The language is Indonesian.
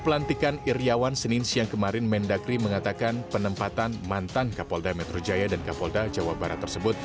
pelantikan iryawan senin siang kemarin mendagri mengatakan penempatan mantan kapolda metro jaya dan kapolda jawa barat tersebut